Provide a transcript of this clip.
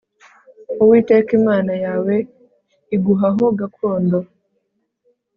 uwiteka imana yawe iguha ho gakondo